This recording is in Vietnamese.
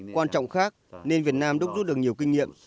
quan trọng khác nên việt nam đúc rút được nhiều kinh nghiệm